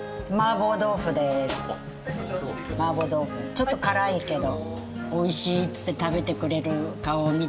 ちょっと辛いけど。